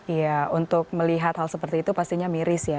iya untuk melihat hal seperti itu pastinya miris ya